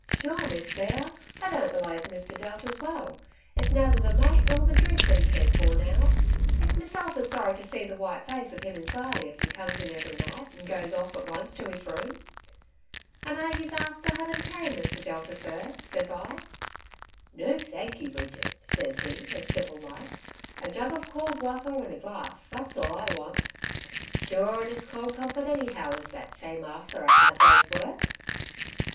" Sure, Miss Thea, I don't belave Mr. Delta's well ; it's nather the mate nor the dhrink that he cares for now. It's meself is sorry to see the white face of him enthirely as he comes in every night, and goes off at once to his room. ^ An' are yese not afther having tay, Mr. Delta, sir/ ses I. * No, thank you, Bridget,' ses he, as civil like; *a jug of cauld wather, and a glass, that's all I want.' Sure and it's cauld comfort anyhow is that same afther a hard day's work."